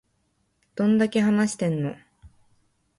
どんだけ話してんの